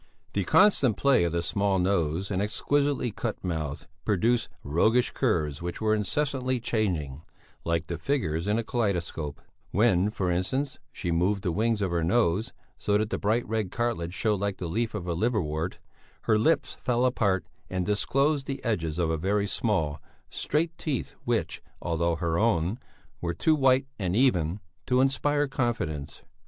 The constant play of the small nose and exquisitely cut mouth produced roguish curves which were incessantly changing, like the figures in a kaleidoscope; when, for instance, she moved the wings of her nose, so that the bright red cartilage showed like the leaf of the liverwort, her lips fell apart and disclosed the edges of very small, straight teeth which, although her own, were too white and even to inspire confidence.